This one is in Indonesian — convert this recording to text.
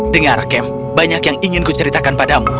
dengar kem banyak yang ingin kuceritakan padamu